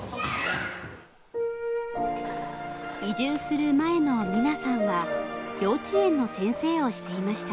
移住する前の美奈さんは幼稚園の先生をしていました。